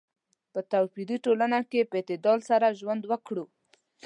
په توپیري ټولنه کې په اعتدال سره ژوند وکړو.